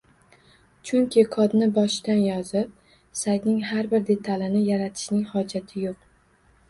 Chunki kodni boshida yozib, saytning har bir detalini yaratishning xojati yo’q